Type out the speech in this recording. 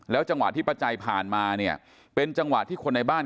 แล้วจังหวะที่ป้าจัยผ่านมาเป็นจังหวะที่คนในบ้าน